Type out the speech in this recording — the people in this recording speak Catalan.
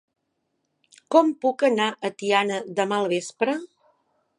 Com puc anar a Tiana demà al vespre?